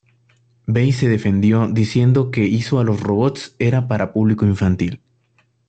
Bay se defendió diciendo que hizo a los robots era para público infantil.